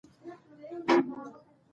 د سترګو سپین تک سره واوختېدل.